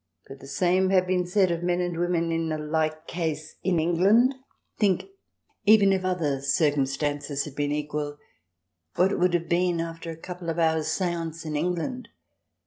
Could the same have been said of men and women in a like case in England ? Think, even if other circumstances had been equal, what it would have been after a couple of hours' seance — in England